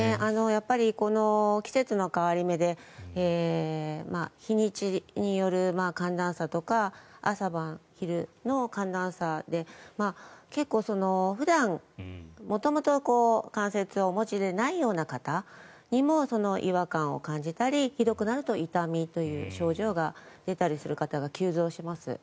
やっぱり季節の変わり目で日にちによる寒暖差とか朝晩昼の寒暖差で結構、普段元々関節痛をお持ちでない方にも違和感を感じたりひどくなると痛みという症状が出たりする方が急増します。